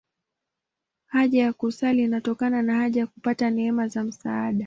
Haja ya kusali inatokana na haja ya kupata neema za msaada.